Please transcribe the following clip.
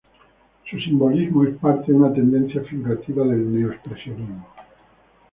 Su simbolismo es parte de una tendencia figurativa del neo expresionismo.